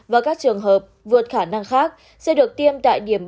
và các trường hợp vượt khả năng khác sẽ được tiêm tại điểm